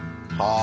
あ。